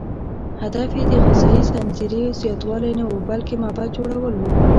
هدف یې د غذایي ذخیرې زیاتوالی نه و، بلکې معبد جوړول و.